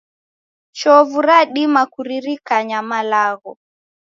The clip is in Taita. Chovu radima kuririkanya malagho